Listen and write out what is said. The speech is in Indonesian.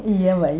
iya mbak yur